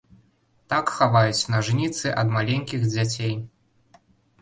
Так хаваюць нажніцы ад маленькіх дзяцей.